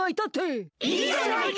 いいじゃないか！